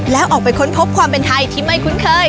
แล้วออกไปค้นพบความเป็นไทยที่ไม่คุ้นเคย